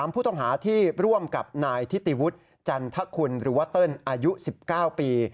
ผู้ต้องหาที่ร่วมกับนายทิติวุฒิจันทคุณหรือว่าเติ้ลอายุ๑๙ปี